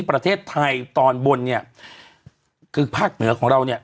ประเทศไทยตอนบนเนี่ยคือภาคเหนือของเราเนี่ย